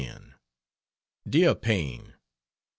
DEAR PAINE